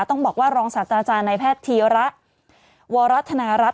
ต้องบอกว่ารองศาสตราจารย์ในแพทย์ธีระวรัฐนารัฐ